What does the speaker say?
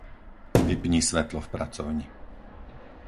Vypni svetlo v pracovni.